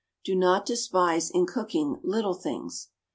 Do not despise, in cooking, little things.